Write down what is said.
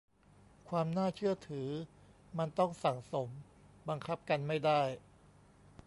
ความน่าเชื่อถือมันต้องสั่งสม บังคับกันไม่ได้